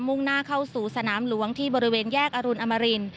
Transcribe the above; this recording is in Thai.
่งหน้าเข้าสู่สนามหลวงที่บริเวณแยกอรุณอมริน